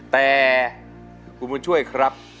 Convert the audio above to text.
แต่คุณบุญช่วยครับ